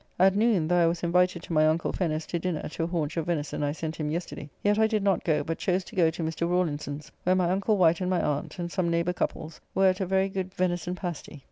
At noon, though I was invited to my uncle Fenner's to dinner to a haunch of venison I sent him yesterday, yet I did not go, but chose to go to Mr. Rawlinson's, where my uncle Wight and my aunt, and some neighbour couples were at a very good venison pasty.